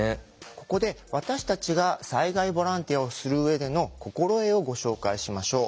ここで私たちが災害ボランティアをする上での心得をご紹介しましょう。